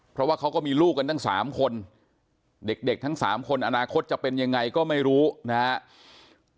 เพราะว่าเขาก็มีลูกกันตั้ง๓คนเด็กทั้ง๓คนอนาคตจะเป็นยังไงก็ไม่รู้นะครับ